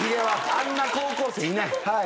あんな高校生いない。